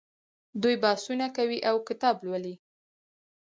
دوی بحثونه کوي او کتاب لوالي.